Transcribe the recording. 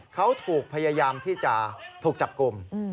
เขาถูกพยายามที่จะถูกจับกลุ่ม